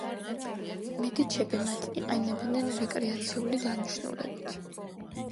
მედიჩები მათ იყენებდნენ რეკრეაციული დანიშნულებით.